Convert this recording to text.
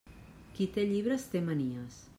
Qui té llibres té manies.